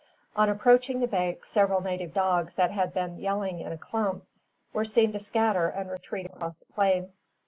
On approaching the bank, several native dogs, that had been yelling in a clump, were seen to scatter and retreat across the plain.